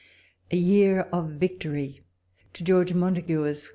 A YEAR OF VICTORY. To George Montagu, Esq.